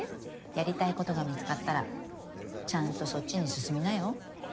やりたいことが見つかったらちゃんとそっちに進みなよ？